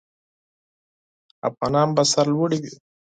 افغانان به سرلوړي وي.